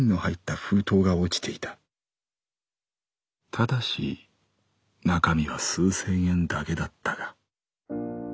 ただし中身は数千円だけだったが」。